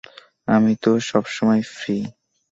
আমি তো সবসময়ই ফ্রি!